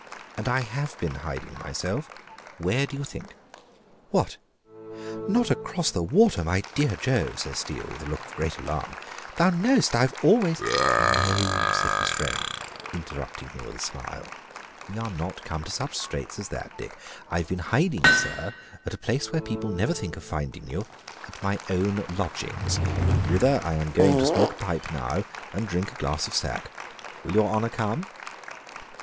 "And I have been hiding myself where do you think?" "What! not across the water, my dear Joe?" says Steele, with a look of great alarm: "thou knowest I have always " "No," says his friend, interrupting him with a smile: "we are not come to such straits as that, Dick. I have been hiding, sir, at a place where people never think of finding you at my own lodgings, whither I am going to smoke a pipe now and drink a glass of sack: will your honor come?"